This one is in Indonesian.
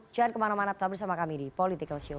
jangan kemana mana tetap bersama kami di politikalshow